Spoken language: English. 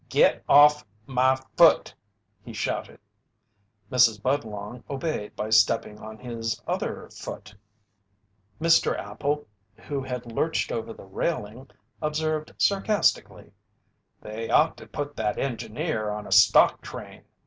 "Get off my foot!" he shouted. Mrs. Budlong obeyed by stepping on his other foot. Mr. Appel, who had lurched over the railing, observed sarcastically: "They ought to put that engineer on a stock train."